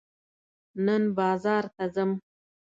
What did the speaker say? نن بازار ته ځم.